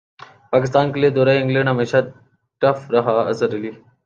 پاکستان کیلئے دورہ انگلینڈ ہمیشہ ٹف رہا اظہر علی